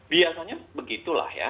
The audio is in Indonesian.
biasanya begitulah ya